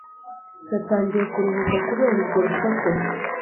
Yatangiye kuruhuka kubera urwo rusaku.